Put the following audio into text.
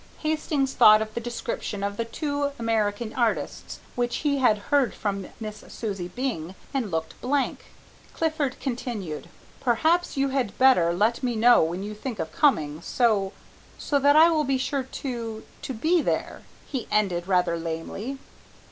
Hastings thought of the description of the two American artists which he had heard from Miss Susie Byng, and looked blank. Clifford continued, "Perhaps you had better let me know when you think of coming so, so that I will be sure to to be there," he ended rather lamely.